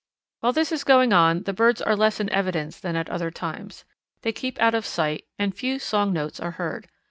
While this is going on the birds are less in evidence than at other times. They keep out of sight and few song notes are heard.